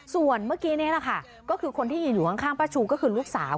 ส่วนเมื่อกี้นี้แหละค่ะก็คือคนที่ยืนอยู่ข้างป้าชูก็คือลูกสาว